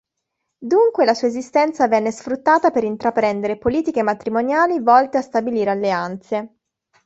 Dunque la sua esistenza venne sfruttata per intraprendere politiche matrimoniali volte a stabilire alleanze.